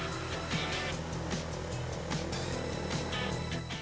dengan sensasi saat mengendarai salah satu dari beragam jenis motor mini tadi